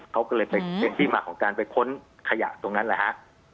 เขาก็เลยเป็นที่มาของการไปค้นขยะตรงนั้นแหละฮะ